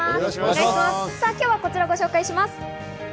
今日はこちらをご紹介します。